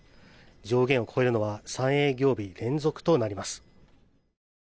上限を超えるのは３営業日連続となります。